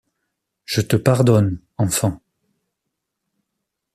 Je te pardonne, enfant !